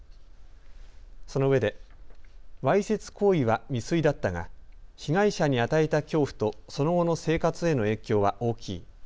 そのうえでわいせつ行為は未遂だったが被害者に与えた恐怖と、その後の生活への影響は大きい。